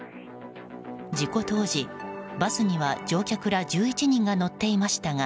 事故当時、バスには乗客ら１１人が乗っていましたが